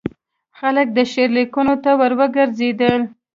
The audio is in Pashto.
خلک د شعر لیکلو ته وروګرځېدل.